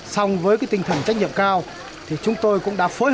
xong với cái tinh thần trách nhiệm cao thì chúng tôi cũng đã phát triển